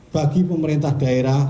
bagi pemerintah daerah